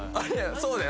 そうだよ